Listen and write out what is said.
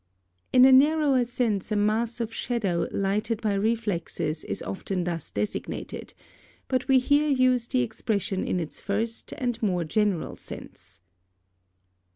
In a narrower sense a mass of shadow lighted by reflexes is often thus designated; but we here use the expression in its first and more general sense.